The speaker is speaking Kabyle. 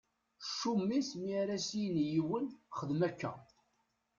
Ccum-is mi ara s-yini yiwen xdem akka.